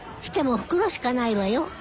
来ても袋しかないわよ。